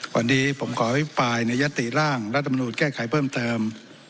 วันนี้ผมขออภิปรายในยติร่างรัฐมนุนแก้ไขเพิ่มเติม